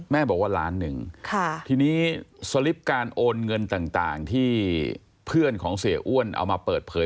แม่บอกว่าล้านหนึ่งทีนี้สลิปการโอนเงินต่างที่เพื่อนของเสียอ้วนเอามาเปิดเผย